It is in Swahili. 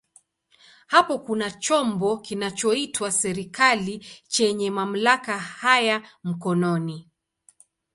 Hapo kuna chombo kinachoitwa serikali chenye mamlaka haya mkononi.